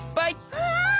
うわ！